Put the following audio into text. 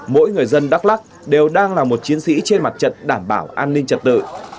mỗi người dân đắk lắc đều đang là một chiến sĩ trên mặt trận đảm bảo an ninh trật tự